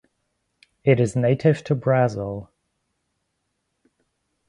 It is native to Brazil.